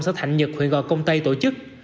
xã thạnh nhật huyện gò công tây tổ chức